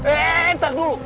eh entar dulu